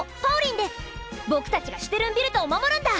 ボクたちがシュテルンビルトを守るんだ！